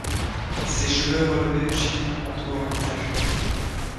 Ses cheveux relevés en chignon entoure un visage rond.